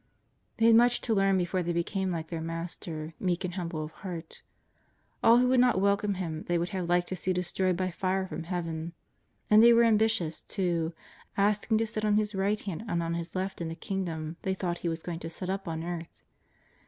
They had much to learn before they be came like their Master, meek and humble of heart. All who would not welcome Him they would have liked to see destroyed by fire from Heaven. And they were ambitious, too, asking to sit on His right hand and on His left in the Kingdom they thought He was going to set up on earth.